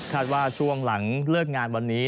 ว่าช่วงหลังเลิกงานวันนี้